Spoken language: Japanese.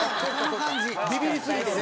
ビビりすぎてね。